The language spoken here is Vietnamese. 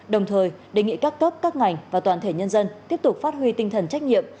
đồng thời đề nghị các cấp các ngành và toàn thể nhân dân tiếp tục phát huy tinh thần trách nhiệm